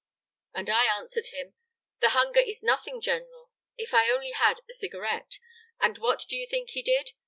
And I answered him: 'The hunger is nothing, General; if I only had if I only had a cigarette.' And what do you think he did?